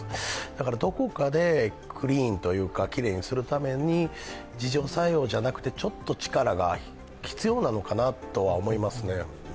だからどこかでクリーン、きれいにするために自浄作用じゃなくて力が必要なのかなと思いますね。